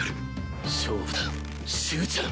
勝負だ終ちゃん！